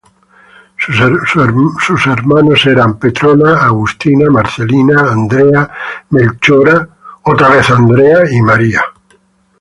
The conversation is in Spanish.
Su hermanos eran Petrona, Agustina, Marcelina, Andrea, Melchora, Andrea y Maria.